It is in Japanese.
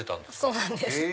そうなんです。